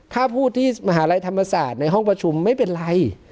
ถ้าพูดที่มหาลัยธรรมศาสตร์ในห้องประชุมไม่เป็นไร